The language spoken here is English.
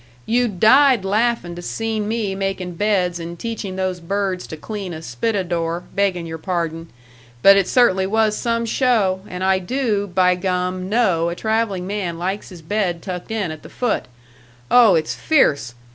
You'd died laughing to seen me making beds and teaching those birds to clean a spittador, beggin' your pardon, but it certainly was some show, and I do, by gum! know a traveling man likes his bed tucked in at the foot! Oh, it's fierce!